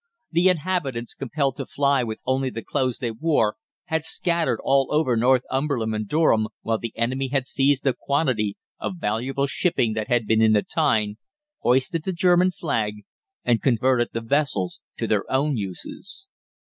The inhabitants, compelled to fly with only the clothes they wore, had scattered all over Northumberland and Durham, while the enemy had seized a quantity of valuable shipping that had been in the Tyne, hoisted the German flag, and converted the vessels to their own uses.